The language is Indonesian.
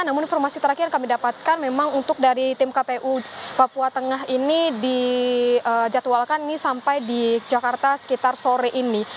namun informasi terakhir kami dapatkan memang untuk dari tim kpu papua tengah ini dijadwalkan ini sampai di jakarta sekitar sore ini